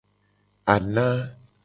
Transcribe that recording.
Ana.